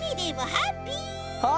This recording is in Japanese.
ハッピー！